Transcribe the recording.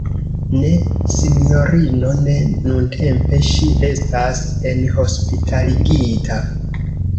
Ne sinjorino, ne nuntempe, ŝi estas enhospitaligita.